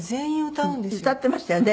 歌っていましたよね？